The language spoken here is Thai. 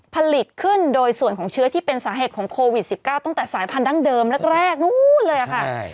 ผลิตขึ้นโดยส่วนของเชื้อที่เป็นสาเหตุของโควิด๑๙ตั้งแต่สายพันธั้งเดิมแรกนู้นเลยค่ะ